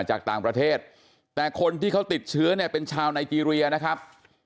จากต่างประเทศแต่คนที่เขาติดเชื้อเนี่ยเป็นชาวไนเจรียนะครับ